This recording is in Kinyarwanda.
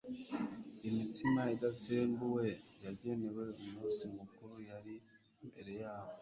Imitsima idasembuwe yagenewe umunsi mukuru yari imbere yabo;